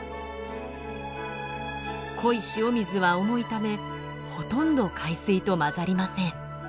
濃い塩水は重いためほとんど海水と混ざりません。